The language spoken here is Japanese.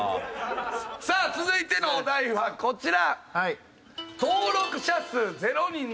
さあ続いてのお題はこちら。